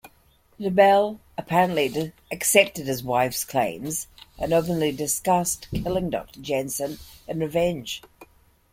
Nebel apparently accepted his wife's claims, and openly discussed killing Doctor Jensen in revenge.